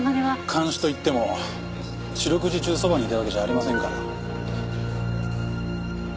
監視といっても四六時中そばにいたわけじゃありませんから。